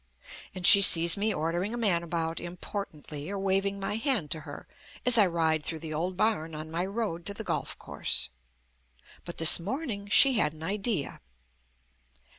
And she sees me ordering a man about importantly, or waving my hand to her as I ride through the old barn on my road to the golf course. But this morning she had an idea.